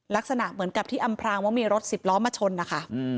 ลักษณะเหมือนกับที่อำพรางว่ามีรถสิบล้อมาชนนะคะ